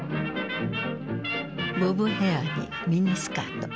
ボブヘアにミニスカート。